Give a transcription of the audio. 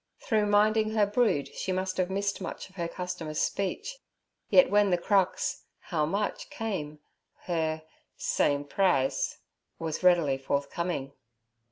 Through minding her brood she must have missed much of her customer's speech, yet when the crux 'How much?' came, her 'Same prize' was readily forthcoming.